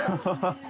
ハハハ